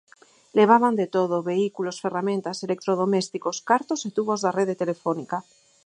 Levaban de todo: vehículos, ferramentas, electrodomésticos, cartos e tubos da rede telefónica.